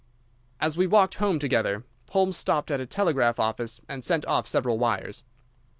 As we walked home together, Holmes stopped at a telegraph office and sent off several wires.